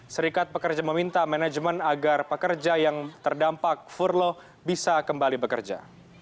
serikat pekerja meminta manajemen agar pekerja yang terdampak furlo bisa kembali bekerja